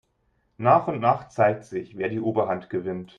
Nach und nach zeigt sich, wer die Oberhand gewinnt.